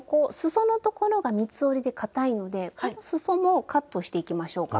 そのところが三つ折りでかたいのですそもカットしていきましょうか。